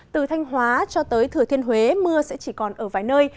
từ thanh hóa cho tới thừa thiên huế mưa sẽ chỉ còn ở vài nơi